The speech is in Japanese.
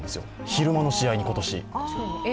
昼間の試合に、今年。